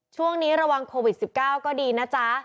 ช่วงนี้ระวังโควิด๑๙ก็ดีนะจ๊ะ